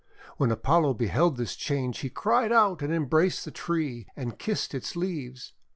When Apollo beheld this change he cried out and embraced the tree, and kissed its leaves.